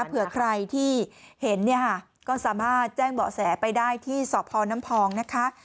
เผื่อใครที่เห็นเนี่ยค่ะก็สามารถแจ้งเบาะแสไปได้ที่สพน้ำพองนะคะ